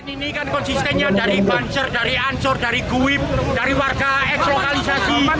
ini kan konsistennya dari banser dari ansur dari guwip dari warga x lokalisasi